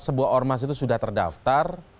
sebuah ormas itu sudah terdaftar